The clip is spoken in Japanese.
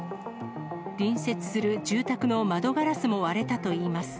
隣接する住宅の窓ガラスも割れたといいます。